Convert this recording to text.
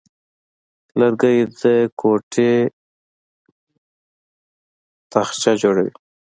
لرګی د کوټې تاقچه جوړوي.